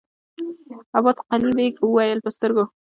عباس قلي بېګ وويل: په سترګو!